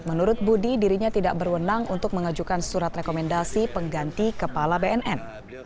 menurut budi dirinya tidak berwenang untuk mengajukan surat rekomendasi pengganti kepala bnn